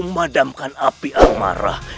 memadamkan api amarah